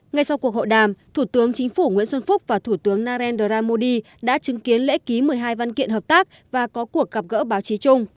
ngay sau cuộc hội đàm thủ tướng chính phủ nguyễn xuân phúc và thủ tướng narendra modi đã chứng kiến lễ ký một mươi hai văn kiện hợp tác và có cuộc gặp gỡ báo chí chung